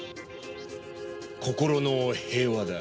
「心の平和」だ。